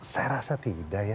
saya rasa tidak ya